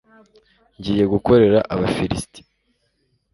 ngiye gukorera abafilisiti